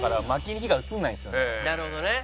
なるほどね。